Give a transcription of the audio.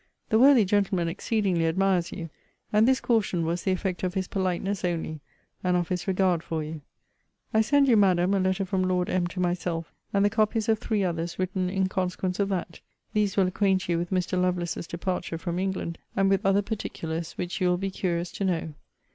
The worthy gentleman exceedingly admires you; and this caution was the effect of his politeness only, and of his regard for you. I send you, Madam, a letter from Lord M. to myself; and the copies of three others written in consequence of that. These will acquaint you with Mr. Lovelace's departure from England, and with other particulars, which you will be curious to know.